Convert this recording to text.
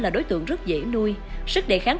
là đối tượng rất dễ nuôi sức đề kháng